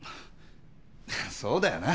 そうだよな。